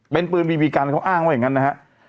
เป็นปืนบีบีกันเขาอ้างว่าอย่างนั้นนะฮะ